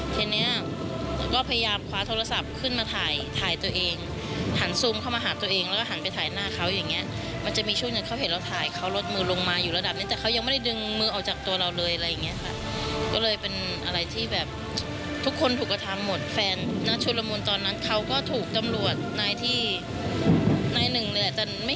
ทีนี้ก็พยายามคว้าโทรศัพท์ขึ้นมาถ่ายถ่ายตัวเองหันซูมเข้ามาหาตัวเองแล้วก็หันไปถ่ายหน้าเขาอย่างเงี้ยมันจะมีช่วงหนึ่งเขาเห็นเราถ่ายเขาลดมือลงมาอยู่ระดับนี้แต่เขายังไม่ได้ดึงมือออกจากตัวเราเลยอะไรอย่างเงี้ยค่ะก็เลยเป็นอะไรที่แบบทุกคนถูกกระทำหมดแฟนนะชุดละมุนตอนนั้นเขาก็ถูกตำรวจนายที่นายหนึ่งเลยอาจจะไม่